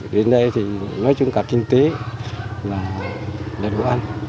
đến đây thì nói chung cả kinh tế là đồ ăn